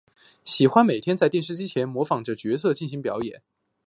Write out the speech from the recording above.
喜欢每天在电视机前模仿角色进行表演。